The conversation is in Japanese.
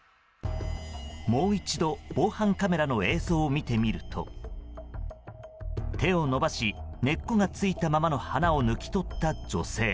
もう１度防犯カメラの映像を見てみると手を伸ばし根っこがついたままの花を抜き取った女性。